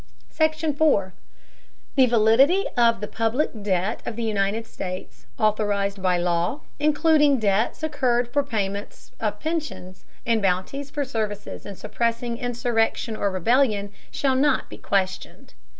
SECTION 4. The validity of the public debt of the United States, authorized by law, including debts incurred for payment of pensions and bounties for services in suppressing insurrection or rebellion, shall not be questioned.